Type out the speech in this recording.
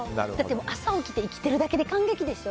朝起きて生きてるだけで感激でしょ。